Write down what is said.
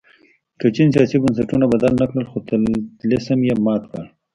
که چین سیاسي بنسټونه بدل نه کړل خو طلسم یې مات کړ.